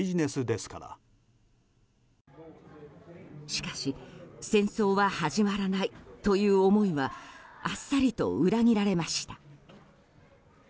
しかし戦争は始まらないという思いはあっさりと裏切られました。